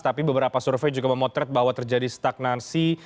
tapi beberapa survei juga memotret bahwa terjadi stagnansi